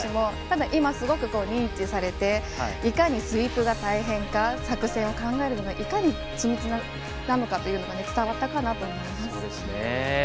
ただ、今はすごく認知されていかにスイープが大変か作戦を考えるのがいかに緻密かが伝わったかなと思います。